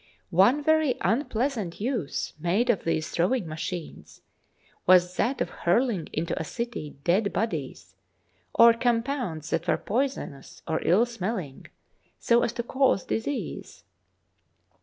One very unpleasant use made of these throwing machines was that of hurling into a city dead bodies, or compounds that were poison ous or ill smelling, so as to cause disease.